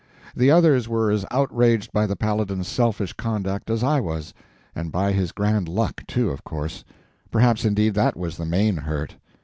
The others were as outraged by the Paladin's selfish conduct as I was—and by his grand luck, too, of course—perhaps, indeed, that was the main hurt.